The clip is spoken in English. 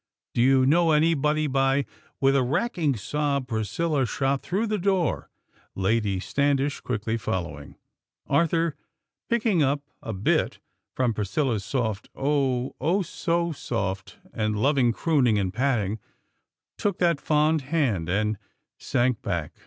Do you know anybody by ?" With a racking sob, Priscilla shot through that door, Lady Standish quickly following. Arthur, picking up, a bit, from Priscilla's soft, oh, so soft and loving crooning and patting, took that fond hand and sank back!